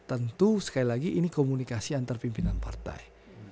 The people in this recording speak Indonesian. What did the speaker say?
tentu sekali lagi ini komunikasi antar pimpinan partai